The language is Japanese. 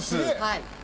はい。